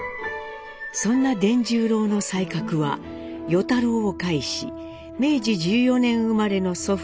そんな傳十郎の才覚は與太郎を介し明治１４年生まれの祖父